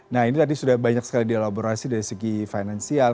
nah ini tadi sudah banyak sekali dielaborasi dari segi finansial